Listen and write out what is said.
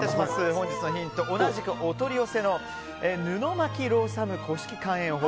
本日のヒントは同じくお取り寄せの布巻ロースハム古式乾塩法。